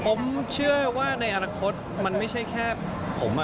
ผมเชื่อว่าในอนาคตมันไม่ใช่แค่ผม